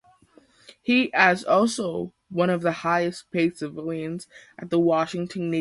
He as also one of the highest paid civilians at the Washington Navy Yard.